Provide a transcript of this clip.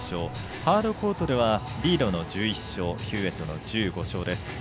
ハードコートではリードの１１勝ヒューウェットの１５勝です。